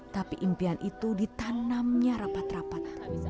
tapi impian itu ditanamnya rapat rapat